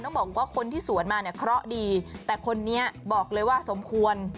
ต้องบอกว่าคนที่สวนมาเคราะดีแต่คนนี้บอกเลยว่าสมควร